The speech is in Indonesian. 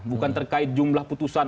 bukan terkait jumlah putusan